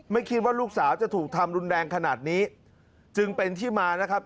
ไม่คิดว่าลูกสาวจะถูกทำรุนแรงขนาดนี้จึงเป็นที่มานะครับ